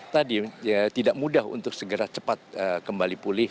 tadi tidak mudah untuk segera cepat kembali pulih